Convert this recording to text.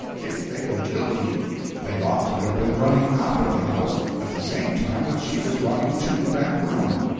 If they were guilty, they ought to have been running out of the house at the same time that she was running to that room.